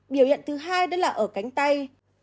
biểu hiện thứ hai đó là ở cánh tay